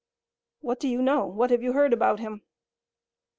"What do you know? What have you heard about him?"